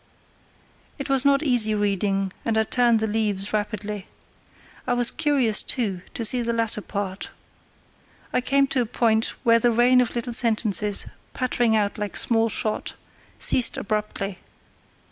It was not easy reading, and I turned the leaves rapidly. I was curious, too, to see the latter part. I came to a point where the rain of little sentences, pattering out like small shot, ceased abruptly.